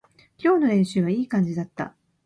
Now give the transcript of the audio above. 今日の練習はいい感じだった